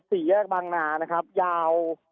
ศรียากบังนานะครับยาว